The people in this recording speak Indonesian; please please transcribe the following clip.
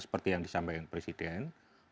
seperti yang disampaikan presiden